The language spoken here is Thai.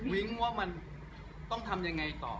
วิ้งว่ามันต้องทำยังไงต่อ